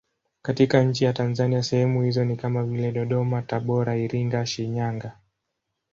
Katika nchi ya Tanzania sehemu hizo ni kama vile Dodoma, Tabora, Iringa, Shinyanga.